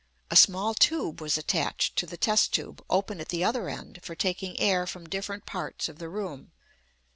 A small tube was attached to the test tube, open at the other end, for taking air from different parts of the room.